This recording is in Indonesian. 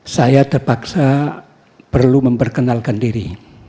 saya terpaksa perlu memperkenalkan diri